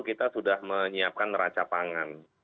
kita sudah menyiapkan neraca pangan